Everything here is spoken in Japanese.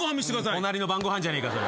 『隣の晩ごはん』じゃねえか。